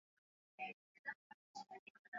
Hapo awali, aliweza kuwasiliana na watu wake Mombasa